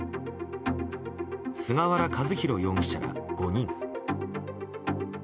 菅原和宏容疑者ら５人。